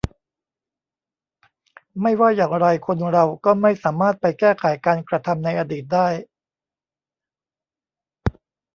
ไม่ว่าอย่างไรคนเราก็ไม่สามารถไปแก้ไขการกระทำในอดีตได้